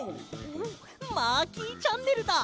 マーキーチャンネルだ。